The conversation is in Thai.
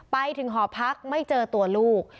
ไปถึงหอพักไม่เจอตัวลูก